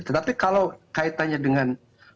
tetapi kalau kaitannya dengan